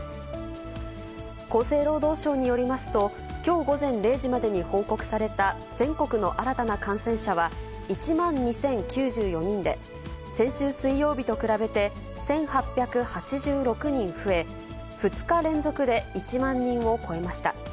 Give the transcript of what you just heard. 厚生労働省によりますと、きょう午前０時までに報告された全国の新たな感染者は１万２０９４人で、先週水曜日と比べて１８８６人増え、２日連続で１万人を超えました。